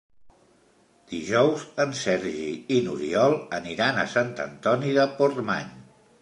Dijous en Sergi i n'Oriol aniran a Sant Antoni de Portmany.